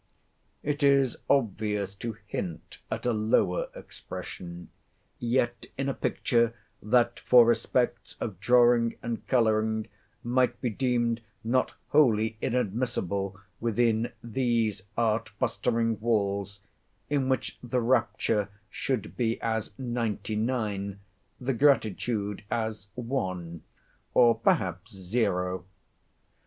It is obvious to hint at a lower expression, yet in a picture, that for respects of drawing and colouring, might be deemed not wholly inadmissible within these art fostering walls, in which the raptures should be as ninety nine, the gratitude as one, or perhaps Zero!